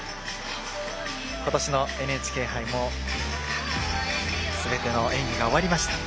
今年のＮＨＫ杯もすべての演技が終わりました。